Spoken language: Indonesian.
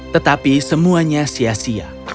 tetapi semuanya sia sia